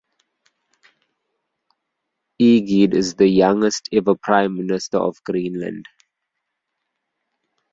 Egede is the youngest ever Prime Minister of Greenland.